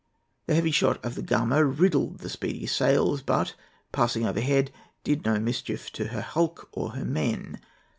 The heavy shot of the Gamo riddled the Speedy's sails, but, passing overhead, did no mischief to her hulk or her men.